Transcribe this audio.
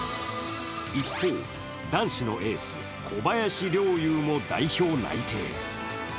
一方、男子のエース・小林陵侑も代表内定。